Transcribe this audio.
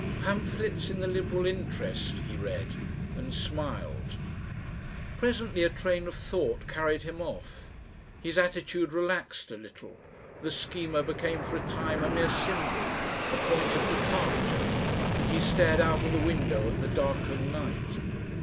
"Pamphlets in the Liberal Interest," he read, and smiled. Presently a train of thought carried him off. His attitude relaxed a little, the Schema became for a time a mere symbol, a point of departure, and he stared out of the window at the darkling night.